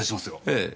ええ。